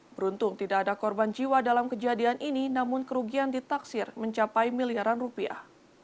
beruntung tidak ada korban jiwa dalam kejadian ini namun kerugian ditaksir mencapai miliaran rupiah